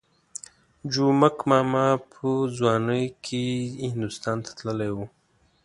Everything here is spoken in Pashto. جومک ماما په ځوانۍ کې هندوستان ته تللی وو.